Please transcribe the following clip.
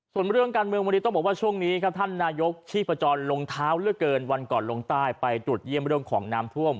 ส่วนเรื่องการเมืองวันนี้ต้องบอกว่าช่วงนี้ครับท่านนายกชีพจรลงเท้าเหลือเกินวันก่อนลงใต้ไปตรวจเยี่ยมเรื่องของน้ำท่วม